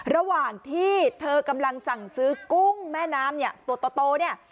ระหว่างที่เธอกำลังสั่งซื้อกุ้งแม่น้ำเนี่ยตัวโตเนี่ย